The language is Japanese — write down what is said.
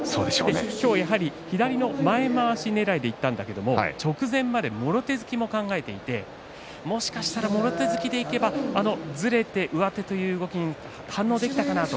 今日はやはり左の前まわしねらいでいったんだけれど直前までもろ手突きも考えていてもしかしたらもろ手突きでいけばずれて上手という動きに反応ができたかなと。